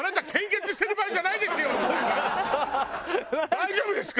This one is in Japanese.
「大丈夫ですか？